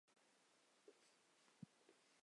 现任主编为张珑正。